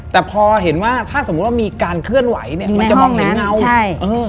แต่พอเห็นว่าถ้าสมมุติว่ามีการเคลื่อนไหวเนี้ยมันจะมองเห็นเงาใช่เออ